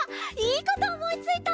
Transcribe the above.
いいことおもいついた！